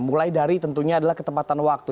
mulai dari tentunya adalah ketempatan waktu